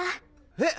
えっ！